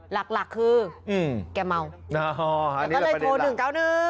หลักคือแกเมาแล้วก็เลยโทร๑๙๑